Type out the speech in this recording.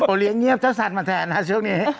เลี้ยงเงียบเจ้าสันมาแทนฮะช่วงนี้